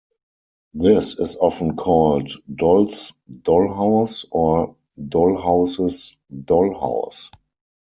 This is often called "Dolls' dollhouse" or "Dollhouse's dollhouse".